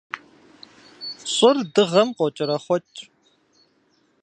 Щӏыр Дыгъэм къокӏэрэхъуэкӏ.